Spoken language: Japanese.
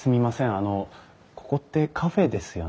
あのここってカフェですよね？